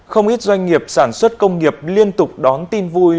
không ít doanh nghiệp sản xuất công nghiệp liên tục đón tin vui